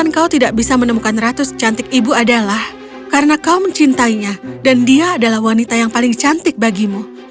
kau tidak bisa menemukan ratus cantik ibu adalah karena kau mencintainya dan dia adalah wanita yang paling cantik bagimu